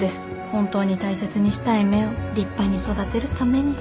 本当に大切にしたい芽を立派に育てるために。